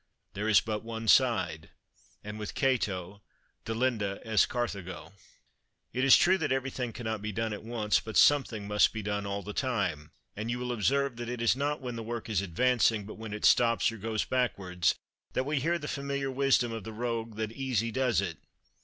"There is but one side," and with Cato, "Delenda est Carthago." It is true that everything cannot be done at once, but something must be done all the time; and you will observe that it is not when the work is advancing, but when it stops or goes backward, that we hear the familiar wisdom of the Rogue that Easy does it.